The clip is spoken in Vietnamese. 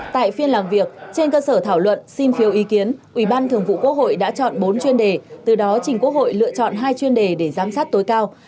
tại phiên làm việc trên cơ sở thảo luận xin phiêu ý kiến ủy ban thường vụ quốc hội đã chọn bốn chuyên đề từ đó trình quốc hội lựa chọn hai chuyên đề để giám sát tối cao